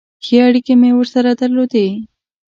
ښې اړیکې مې ورسره درلودې.